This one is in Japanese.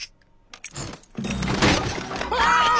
うわ！